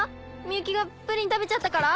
美雪がプリン食べちゃったから？